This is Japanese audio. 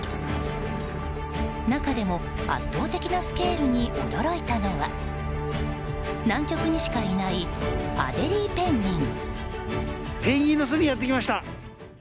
中でも、圧倒的なスケールに驚いたのは南極にしかいないアデリーペンギン。